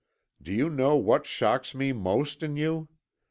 Do you know what shocks me most in you?